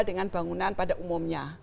dengan bangunan pada umumnya